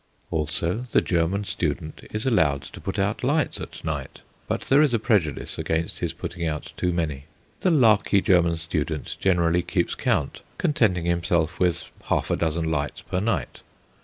Also the German student is allowed to put out lights at night, but there is a prejudice against his putting out too many. The larky German student generally keeps count, contenting himself with half a dozen lights per night.